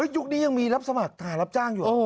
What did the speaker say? ยุคนี้ยังมีรับสมัครทหารรับจ้างอยู่